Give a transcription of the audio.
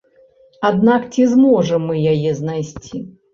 Аднак ці зможам мы яе знайсці?